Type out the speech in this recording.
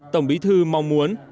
tổng bí thư mong muốn